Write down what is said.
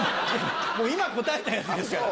今答えたやつですから。